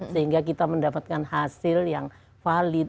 sehingga kita mendapatkan hasil yang valid